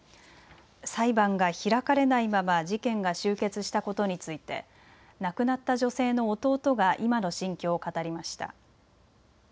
裁判が開かれないまま事件が終結したことについて亡くなった女性の弟が今の心境を語りました。